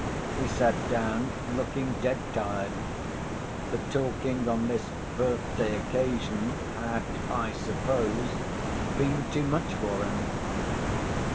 He sat down, looking dead tired; the talking on this birthday occasion had, I suppose, been too much for him.